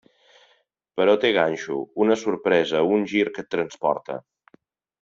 Però té un ganxo, una sorpresa, un gir que et transporta.